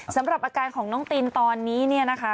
สำหรับอาการของน้องตินตอนนี้เนี่ยนะคะ